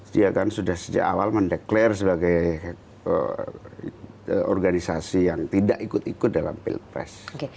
dia kan sudah sejak awal mendeklarasi sebagai organisasi yang tidak ikut ikut dalam pilpres